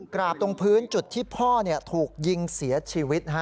ตรงพื้นจุดที่พ่อถูกยิงเสียชีวิต